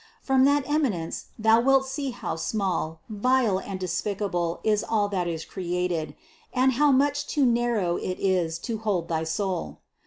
From that eminence thou wilt see how small, vile and despicable is all that is created, and how much too narrow it is to hold thy soul.